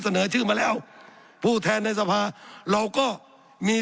สับขาหลอกกันไปสับขาหลอกกันไป